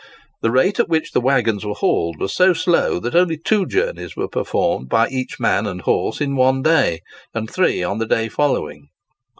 The rate at which the waggons were hauled was so slow that only two journeys were performed by each man and horse in one day, and three on the day following.